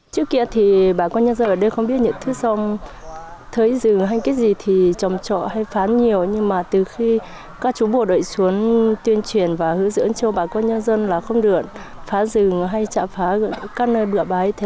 trước kia thì bà con nhân dân ở đây không biết những thứ rừng hay cái gì thì trồng trọ hay phá nhiều nhưng mà từ khi các chúng bộ đội xuống tuyên truyền và hữu dưỡng cho bà con nhân dân là không được phá rừng hay chạm phá các nơi bựa bái